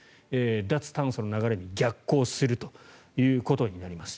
脱炭素の流れに逆行するということになります。